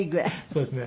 そうですね。